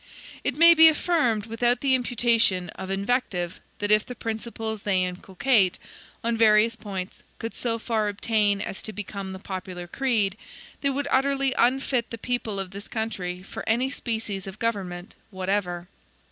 It may be affirmed without the imputation of invective, that if the principles they inculcate, on various points, could so far obtain as to become the popular creed, they would utterly unfit the people of this country for any species of government whatever.